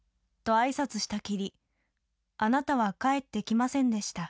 あいさつしたきりあなたは帰ってきませんでした。